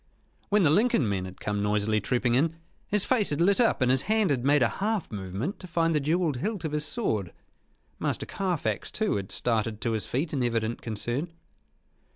When the Lincoln men had come noisily trooping in, his face had lit up and his hand had made a half movement to find the jewelled hilt of his sword. Master Carfax, too, had started to his feet in evident concern.